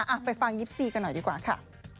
อ่ะไปฟังยิปซีกันหน่อยดีกว่าค่ะ